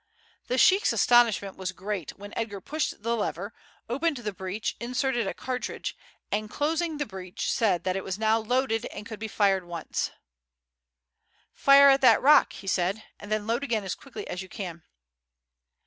The sheik's astonishment was great when Edgar pushed the lever, opened the breech, inserted a cartridge, and closing the breech said that it was now loaded and could be fired at once. "Fire at that rock," he said, "and then load again as quickly as you can."